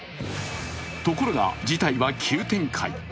ところが事態は急展開。